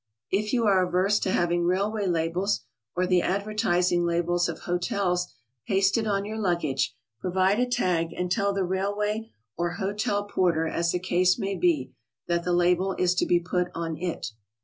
If you are averse to having railway labels or the adver tising labels of hotels pasted on your luggage, provide a tag and tell the railway or hotel porter, as the case may be, that the label is to be put on it.